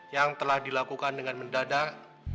yang telah dilakukan dengan mendadak